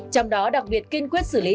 trong đó đặc biệt kiên quyết xử lý